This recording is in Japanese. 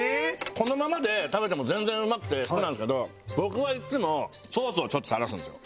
このままで食べても全然うまくて好きなんですけど僕はいつもソースをちょっと垂らすんですよ。